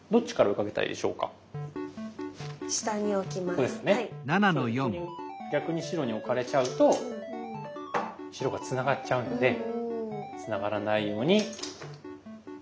ここに逆に白に置かれちゃうと白がつながっちゃうのでつながらないように打って。